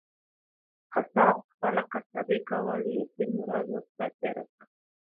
قصاب خپله قصابي کول ، يتيم ورځ ورته تيره کړه.